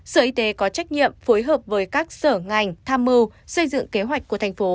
sở y tế có trách nhiệm phối hợp với các sở ngành tham mưu xây dựng kế hoạch của thành phố